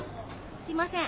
すいません